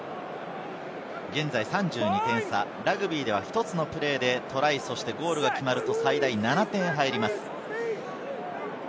現在３２点差、ラグビーでは一つのプレーでトライ、ゴールが決まると、最大７点入ります。